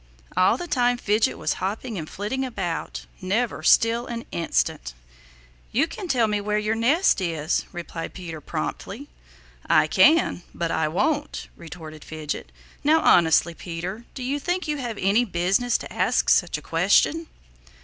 All the time Fidget was hopping and flitting about, never still an instant. "You can tell me where your nest is," replied Peter promptly. "I can, but I won't," retorted Fidget. "Now honestly, Peter, do you think you have any business to ask such a question?"